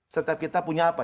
setiap kita punya apa